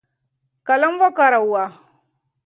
قلم وکاروه.